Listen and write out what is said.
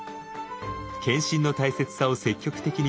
検診の大切さを積極的に呼びかけ